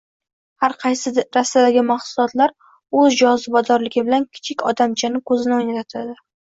har qaysi rastadagi mahsulotlar o‘z jozibadorligi bilan kichik odamchani ko‘zini o‘ynatadi.